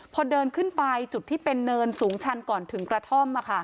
พอเดินขึ้นไปจุดที่เป็นเนินสูงชันก่อนถึงกระท่อม